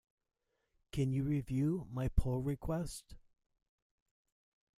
Can you review my pull request?